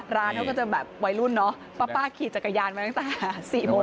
ร้านเขาก็จะแบบวัยรุ่นเนาะป้าขี่จักรยานมาตั้งแต่๔โมง